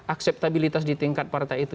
akseptabilitas di tingkat partai itu